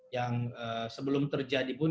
yang sebelum terjadi pun